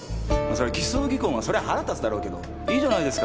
そりゃ偽装離婚はそりゃ腹立つだろうけどいいじゃないですか。